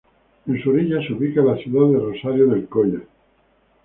En su orilla se ubica la ciudad de Rosario del Colla.